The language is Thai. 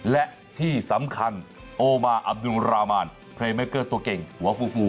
และที่สำคัญโอมาอับดุรามานเพลงเมคเกอร์ตัวเก่งหัวฟูฟู